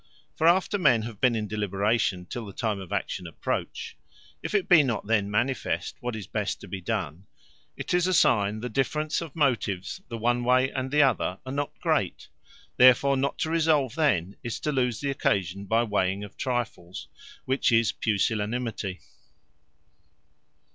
For after men have been in deliberation till the time of action approach, if it be not then manifest what is best to be done, tis a signe, the difference of Motives, the one way and the other, are not great: Therefore not to resolve then, is to lose the occasion by weighing of trifles; which is pusillanimity.